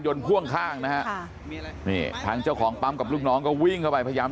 พ่วงข้างนะฮะนี่ทางเจ้าของปั๊มกับลูกน้องก็วิ่งเข้าไปพยายาม